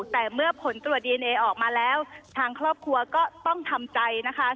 แต่เมื่อผลตรวจดีเอนเอออกมาแล้วทางครอบครัวก็ต้องทำใจนะคะ